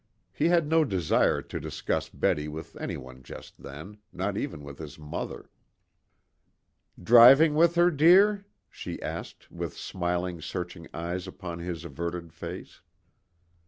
He had no desire to discuss Betty with any one just then, not even with his mother. "Driving with her, dear?" she asked, with smiling, searching eyes upon his averted face.